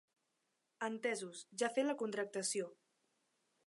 Entesos, ja he fet la contractació.